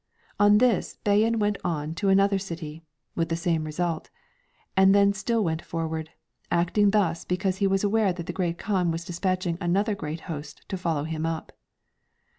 On this Bayan went on to another city, with the same result, and then still went forward; acting thus because he was aware that the Great Kaan was despatching another great host to follow him up."